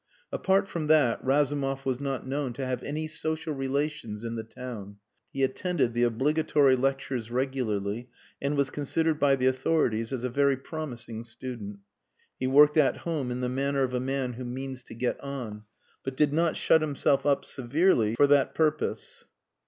Apart from that Razumov was not known to have any social relations in the town. He attended the obligatory lectures regularly and was considered by the authorities as a very promising student. He worked at home in the manner of a man who means to get on, but did not shut himself up severely for that purpose.